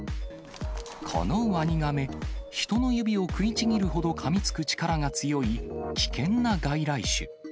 このワニガメ、人の指を食いちぎるほどかみつく力が強い、危険な外来種。